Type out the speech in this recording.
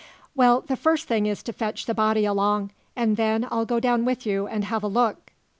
"Well, the first thing is to fetch the body along, and then I'll go down with you and have a look."